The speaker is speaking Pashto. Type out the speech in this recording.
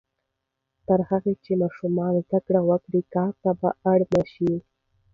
تر هغه چې ماشومان زده کړه وکړي، کار ته به اړ نه شي.